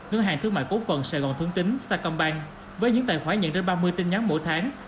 ngân hàng thương mại cố phần sài gòn thương tính sacombank với những tài khoản nhận trên ba mươi tin nhắn mỗi tháng